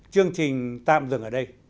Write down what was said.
chương trình tạm dừng ở đây